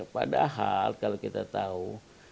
padahal kalau kita tahu